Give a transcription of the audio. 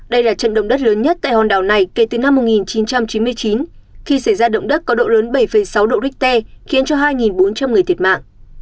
đây là trận động đất lớn nhất tại hòn đảo này kể từ năm một nghìn chín trăm chín mươi chín khi xảy ra động đất có độ lớn bảy sáu độ richter khiến cho hai bốn trăm linh người thiệt mạng